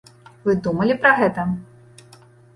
Вы думалі пра гэта?